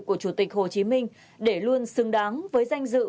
của chủ tịch hồ chí minh để luôn xứng đáng với danh dự